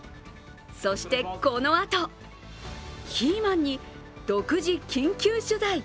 そして、このあとキーマンに独自緊急取材。